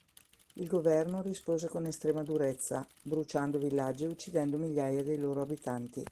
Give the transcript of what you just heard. Il governo rispose con estrema durezza, bruciando villaggi e uccidendo migliaia dei loro abitanti.